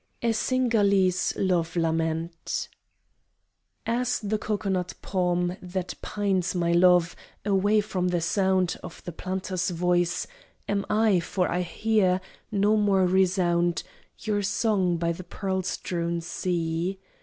A SINGHALESE LOVE LAMENT As the cocoanut palm That pines, my love, Away from the sound Of the planter's voice, Am I, for I hear No more resound Your song by the pearl strewn sea!